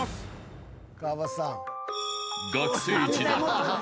［学生時代